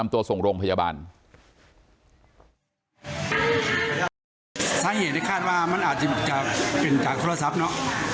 ซ้ายเห็นในคาดว่ามันอาจจะจากเป็นจากโทรศัพท์เนอะ